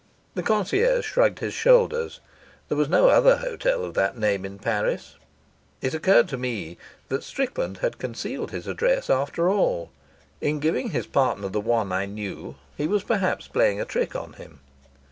The concierge shrugged his shoulders. There was no other hotel of that name in Paris. It occurred to me that Strickland had concealed his address, after all. In giving his partner the one I knew he was perhaps playing a trick on him.